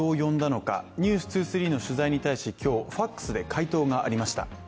「ｎｅｗｓ２３」の取材に対し今日、ファックスで回答がありました。